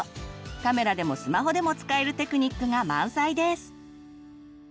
カメラでもスマホでも使えるテクニックが満載です！